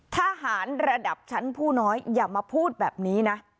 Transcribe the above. ทหารระดับชั้นผู้น้อยอย่ามาพูดแบบนี้นะ